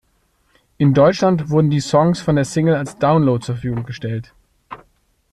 In Deutschland wurden die Songs von der Single als Download zur Verfügung gestellt.